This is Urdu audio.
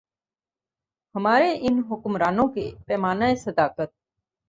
ہمارے ان حکمرانوں کے پیمانۂ صداقت۔